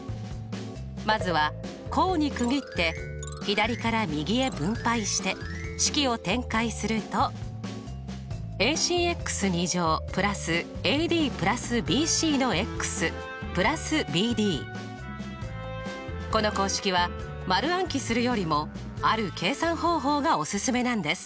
まずは項に区切って左から右へ分配して式を展開するとこの公式は丸暗記するよりもある計算方法がオススメなんです。